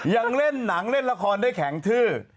ยังเล่นหนังเล่นละครได้แข็งทื้อ